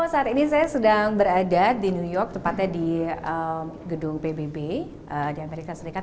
saat ini saya sedang berada di new york tepatnya di gedung pbb di amerika serikat